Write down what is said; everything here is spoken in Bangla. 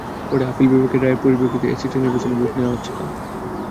পরে আপিল বিভাগের রায়ের পরিপ্রেক্ষিতে এ সিটি নির্বাচনে ভোট নেওয়া হচ্ছে কাল।